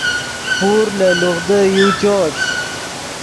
پور لے لوغدو یو چؤت